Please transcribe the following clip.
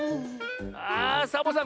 あっサボさん